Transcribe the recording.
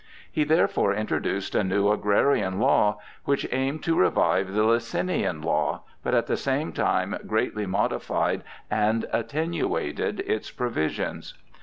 He therefore introduced a new agrarian law which aimed to revive the Licinian law, but at the same time greatly modified and attenuated its provisions.